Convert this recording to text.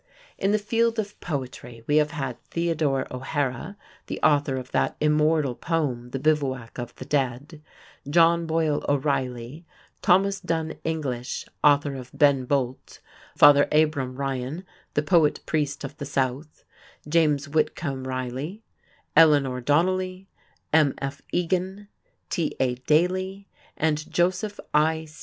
In the field of poetry, we have had Theodore O'Hara, the author of that immortal poem, "The Bivouac of the Dead"; John Boyle O'Reilly; Thomas Dunn English, author of "Ben Bolt"; Father Abram Ryan, "the poet priest of the South"; James Whitcomb Riley; Eleanor Donnelly; M.F. Egan; T.A. Daly; and Joseph I.